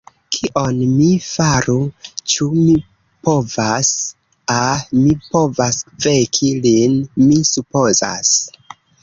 Kion mi faru, ĉu mi povas... ah, mi povas veki lin, mi supozas.